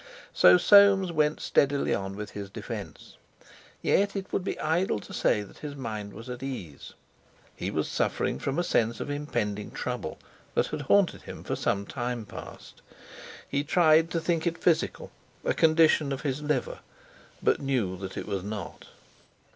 So Soames went steadily on with his defence. Yet it would be idle to say that his mind was at ease. He was suffering from a sense of impending trouble, that had haunted him for some time past. He tried to think it physical—a condition of his liver—but knew that it was not.